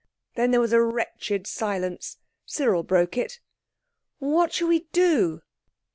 Then there was a wretched silence. Cyril broke it— "What shall we do?"